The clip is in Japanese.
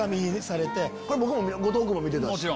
これ僕も後藤君も見てたし。